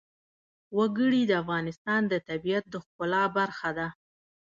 وګړي د افغانستان د طبیعت د ښکلا برخه ده.